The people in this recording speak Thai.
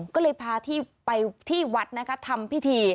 ก็เลยพาที่ไปที่วัดนะคะทำพิธี